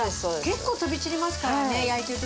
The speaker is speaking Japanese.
結構飛び散りますからね焼いてる時ってね。